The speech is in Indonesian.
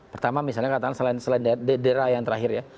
pertama misalnya katakanlah selain dera yang terakhir ya